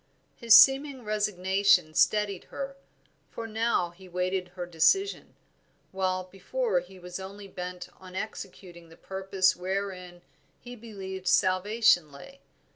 His seeming resignation steadied her, for now he waited her decision, while before he was only bent on executing the purpose wherein he believed salvation lay.